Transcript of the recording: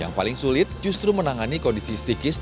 yang paling sulit justru menangani kondisi psikis dan kondisi kondisi